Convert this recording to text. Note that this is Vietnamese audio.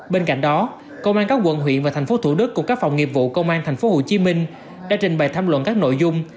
bên cạnh đó công an các quận huyện và thành phố thủ đức cùng các phòng nghiệp vụ công an tp hcm đã trình bày tham luận các nội dung